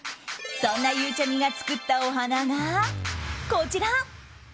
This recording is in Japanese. そんなゆうちゃみが作ったお花がこちら。